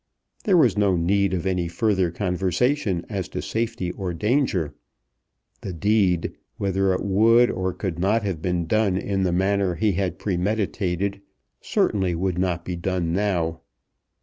There was no need of any further conversation as to safety or danger. The deed, whether it would or could not have been done in the manner he had premeditated, certainly would not be done now.